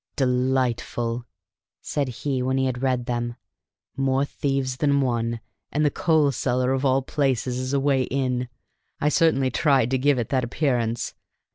"Delightful!" said he when he had read them. "More thieves than one, and the coal cellar of all places as a way in! I certainly tried to give it that appearance.